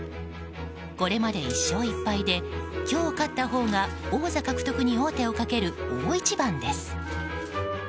これまで１勝１敗で今日、勝ったほうが王座獲得に王手をかける大一番です。